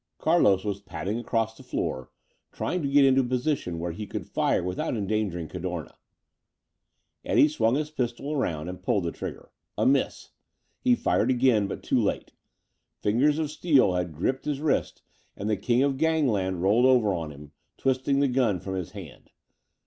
Carlos was padding across the floor, trying to get into a position where he could fire without endangering Cadorna. Eddie swung his pistol around and pulled the trigger. A miss! He fired again, but too late. Fingers of steel had gripped his wrist and the king of gangland rolled over on him, twisting the gun from his hand.